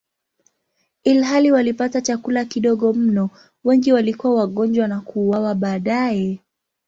Ilhali walipata chakula kidogo mno, wengi walikuwa wagonjwa na kuuawa baadaye.